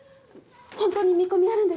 本当に見込みあるんでしょうか。